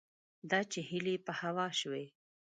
دا چې هیلې په هوا شوې